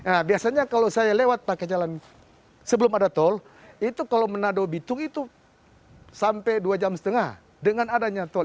nah biasanya kalau saya lewat pakai jalan sebelum ada tol itu kalau menado bitung itu sampai dua jam setengah dengan adanya tol